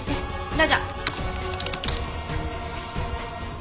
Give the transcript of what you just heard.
ラジャー！